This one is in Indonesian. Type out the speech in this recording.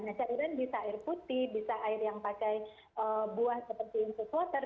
nah cairan bisa air putih bisa air yang pakai buah seperti infus water